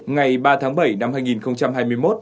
ngày ba tháng bảy năm hai nghìn hai mươi một